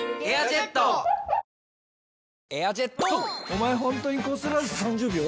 お前ホントにこすらず３０秒？